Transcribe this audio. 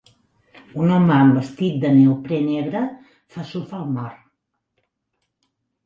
Un home amb vestit de neoprè negre fa surf al mar.